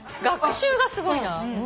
学習がすごいな。